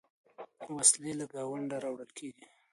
وسلې له ګاونډه راوړل کېږي.